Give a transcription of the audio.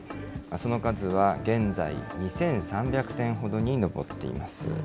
その数は現在２３００店ほどに上っています。